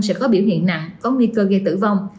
sẽ có biểu hiện nặng có nguy cơ gây tử vong